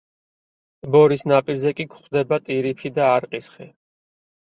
ტბორის ნაპირზე კი გვხვდება ტირიფი და არყის ხე.